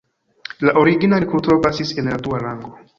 La origina agrikulturo pasis en la dua rango.